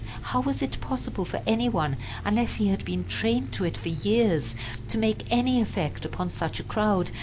How was it possible for any one, unless he had been trained to it for years, to make any effect upon such a crowd!